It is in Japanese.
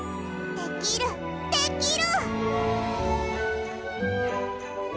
できるできる！